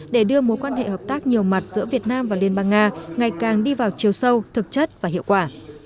để đưa mối quan hệ hợp tác nhiều mặt giữa việt nam và liên bang nga ngày càng đi vào chiều sâu thực chất và hiệu quả